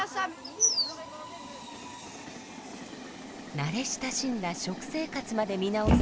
慣れ親しんだ食生活まで見直す